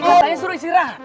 saya suruh istirahat